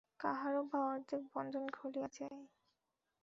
কাহারও বা অর্ধেক বন্ধন খুলিয়া যায়।